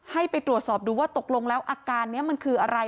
ให้ไปตรวจสอบดูว่าตกลงแล้วอาการนี้มันคืออะไร